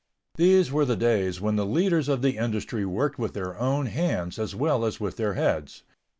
These were the days when the leaders of the industry worked with their own hands as well as with their heads.